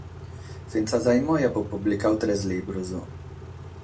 Fintzas a como apo publicadu tres libros.